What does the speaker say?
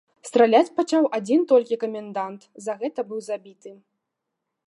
Страляць пачаў адзін толькі камендант, за гэта быў забіты.